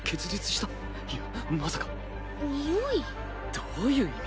どういう意味？